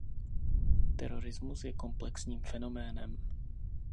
Terorismus je komplexním fenoménem.